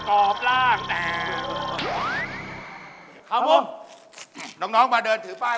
เขามาร้องมันลืมเลย